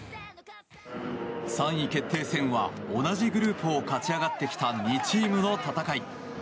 ３位決定戦は同じグループを勝ち上がってきた２チームの戦い。